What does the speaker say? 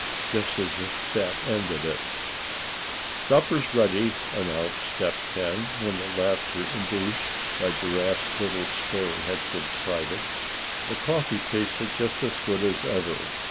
just as if that ended it." "Supper's ready," announced Step Hen, when the laughter induced by Giraffe's little story had subsided. The coffee tasted just as good as ever.